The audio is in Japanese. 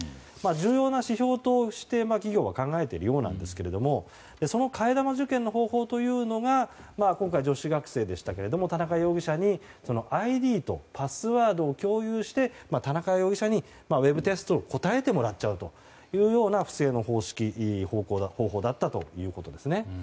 重要な指標として企業は考えているようなんですがその替え玉受験の方法というのが今回、女子学生でしたが田中容疑者にＩＤとパスワードを共有して田中容疑者に、ウェブテストを答えてもらっちゃおうという不正の方法だったということですね。